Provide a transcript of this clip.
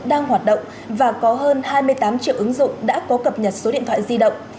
đang hoạt động và có hơn hai mươi tám triệu ứng dụng đã có cập nhật số điện thoại di động